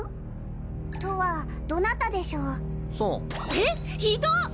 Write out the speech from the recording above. えっひどっ！